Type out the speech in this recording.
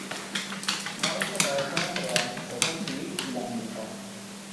No había separación entre la administración civil y la militar.